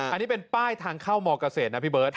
อันนี้เป็นป้ายทางเข้ามเกษตรนะพี่เบิร์ต